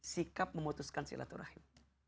sikap memutuskan silaturahim